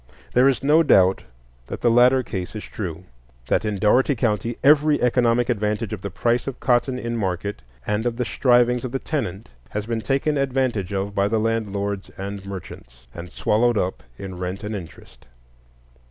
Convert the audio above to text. There is no doubt that the latter case is true; that in Dougherty County every economic advantage of the price of cotton in market and of the strivings of the tenant has been taken advantage of by the landlords and merchants, and swallowed up in rent and interest.